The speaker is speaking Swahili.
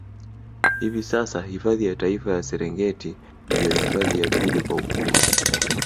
Hivi sasa hifadhi ya Taifa ya Serengeti ndio hifadhi ya pili kwa ukubwa